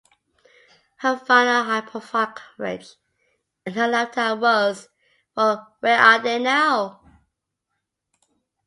Her final high-profile coverage in her lifetime was for a Where Are They Now?